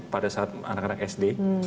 pada saat anak anak sd